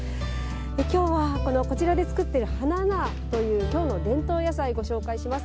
今日は、こちらで作っている花菜という京の伝統野菜をご紹介します。